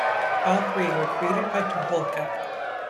All three were created by Tucholka.